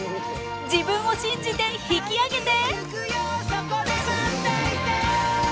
自分を信じて引き上げて！